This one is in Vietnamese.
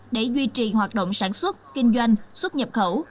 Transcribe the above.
để duy trì hoạt động sản xuất kinh doanh xuất nhập khẩu